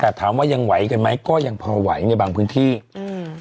แต่ถามว่ายังไหวกันไหมก็ยังพอไหวในบางพื้นที่อืม